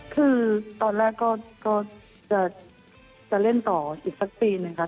คือตอนแรกก็จะเล่นต่ออีกสักปีหนึ่งค่ะ